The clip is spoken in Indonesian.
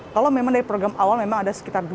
kalau memang dari program awal memang ada sekitar